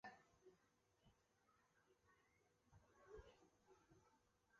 斯莫罗季诺农村居民点是俄罗斯联邦别尔哥罗德州雅科夫列沃区所属的一个农村居民点。